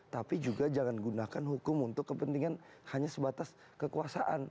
tapi juga jangan gunakan hukum untuk kepentingan hanya sebatas kekuasaan